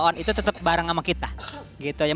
mereka berdua berdua bersama sama